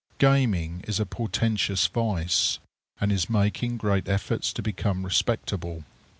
Gaming is a portentous vice, and is making great efforts to become respectable.